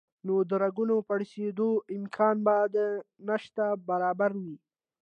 نو د رګونو پړسېدو امکان به د نشت برابر وي